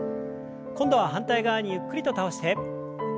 今度は反対側にゆっくりと倒して。